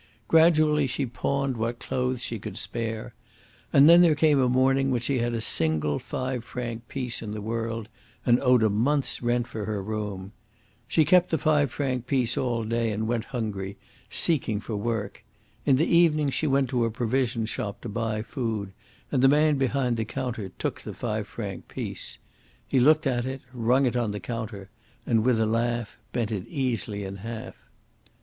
Gradually she pawned what clothes she could spare; and then there came a morning when she had a single five franc piece in the world and owed a month's rent for her room. She kept the five franc piece all day and went hungry, seeking for work. In the evening she went to a provision shop to buy food, and the man behind the counter took the five franc piece. He looked at it, rung it on the counter, and, with a laugh, bent it easily in half.